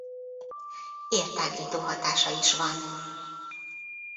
Értágító hatása is van.